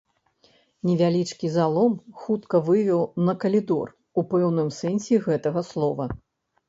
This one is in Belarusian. Невялічкі залом хутка вывеў на калідор у пэўным сэнсе гэтага слова.